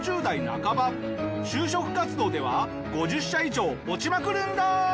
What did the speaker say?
就職活動では５０社以上落ちまくるんだ！